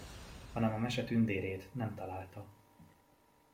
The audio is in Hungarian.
Hanem a mese tündérét nem találta.